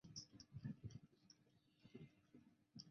各年度的使用人数如下表。